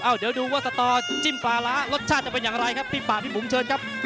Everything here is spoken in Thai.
เดี๋ยวดูว่าสตอจิ้มปลาร้ารสชาติจะเป็นอย่างไรครับพี่ป่าพี่บุ๋มเชิญครับ